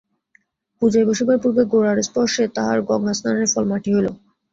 পূজায় বসিবার পূর্বে গোরার স্পর্শে তাঁহার গঙ্গাস্নানের ফল মাটি হইল।